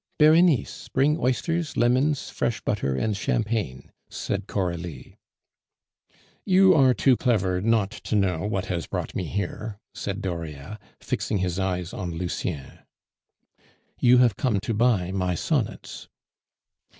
"Berenice! Bring oysters, lemons, fresh butter, and champagne," said Coralie. "You are too clever not to know what has brought me here," said Dauriat, fixing his eyes on Lucien. "You have come to buy my sonnets."